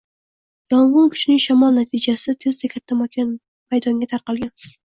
Yong‘in kuchli shamol natijasida tezda katta maydonga tarqalgan